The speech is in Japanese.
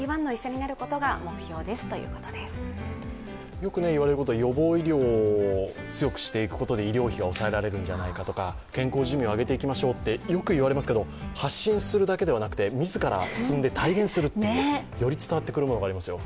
よく言われることは、予防医療を強くしていくことで医療費が抑えられるんじゃないかとか健康寿命を上げていきましょうとよくいわれますけれども、発信するだけではなくて自ら進んで体現するという、より伝わってくるのが分かりますよ。